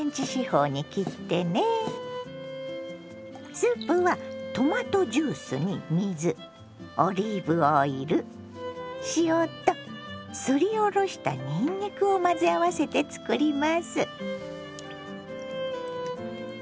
スープはトマトジュースに水オリーブオイル塩とすりおろしたにんにくを混ぜ合わせて作ります。